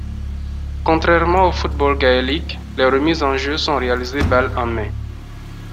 Contrairement au football gaélique, les remises en jeu sont réalisées balle en main.